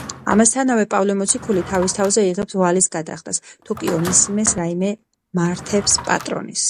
ამასთანავე, პავლე მოციქული თავის თავზე იღებს ვალის გადახდას, თუ კი ონისიმეს რაიმე მართებს პატრონის.